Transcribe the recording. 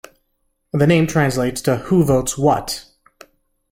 The name translates to "Who Votes What".